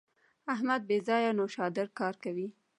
احمد بې ځایه نوشادر کاروي.